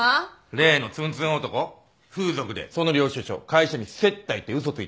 例のツンツン男風俗でその領収書会社に接待って嘘ついて出して。